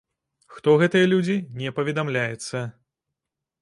Хто гэтыя людзі, не паведамляецца.